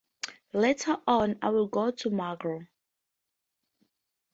Later on I will go to Margao.